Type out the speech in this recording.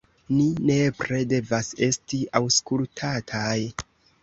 Ni nepre devas esti aŭskultataj.